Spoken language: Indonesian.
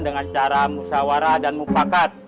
dengan cara musyawarah dan mupakat